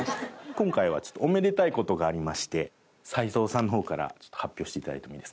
今回はちょっとおめでたい事がありまして齊藤さんの方から発表していただいてもいいですか？